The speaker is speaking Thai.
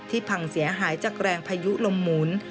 พังเสียหายจากแรงพายุลมหมุน